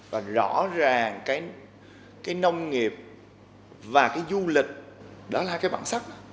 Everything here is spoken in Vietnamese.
và rõ ràng cái nông nghiệp và cái du lịch đó là cái bản sắc